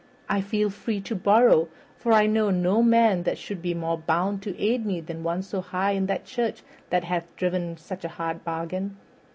I feel free to borrow, for I know no man that should be more bound to aid me than one so high in that church that hath driven such a hard bargain."